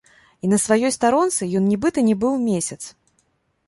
І на сваёй старонцы ён нібыта не быў месяц.